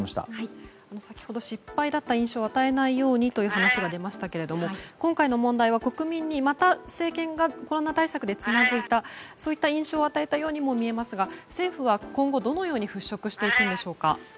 先ほど失敗だった印象を与えないようにという話が出ましたけれども今回の問題は国民にまたコロナ対策でつまずいたといった印象を与えたようにも見えますが政府は今後どのように払拭していくんでしょうか。